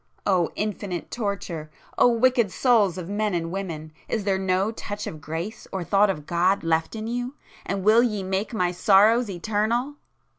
O infinite torture! O wicked souls of men and women!—is there no touch of grace or thought of God left in you!—and will ye make my sorrows eternal!"